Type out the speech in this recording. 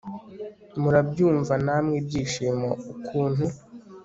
murabyumva namwe ibyishimo ukuntu